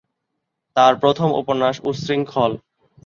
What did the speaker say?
তার প্রথম উপন্যাস 'উচ্ছৃঙ্খল'।